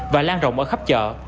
và lan rộng ở khắp chợ